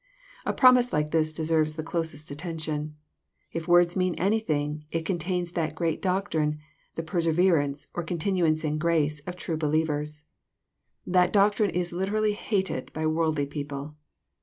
A promise like this deserves the closest attention. If words mean anything, it contains that great doctrine, the perseverance, or continuance in grace, of true believers. That doctrine is literally hated by worldly people.